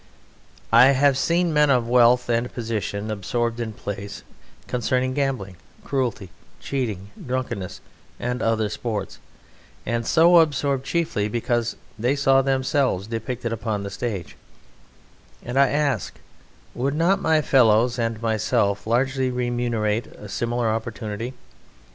I have seen men of wealth and position absorbed in plays concerning gambling, cruelty, cheating, drunkenness, and other sports, and so absorbed chiefly because they saw themselves depicted upon the stage; and I ask, Would not my fellows and myself largely remunerate a similar opportunity?